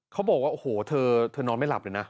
เขาบอกว่าโอ้โหเธอนอนไม่หลับเลยนะ